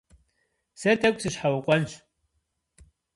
Сэ тӀэкӀу сыщхьэукъуэнщ.